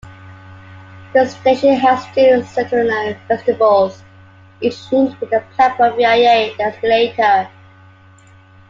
The station has two subterranean vestibules, each linked with the platform via an escalator.